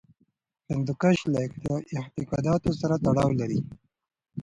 هندوکش له اعتقاداتو سره تړاو لري.